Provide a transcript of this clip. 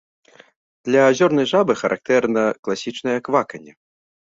Для азёрнай жабы характэрна класічнае кваканне.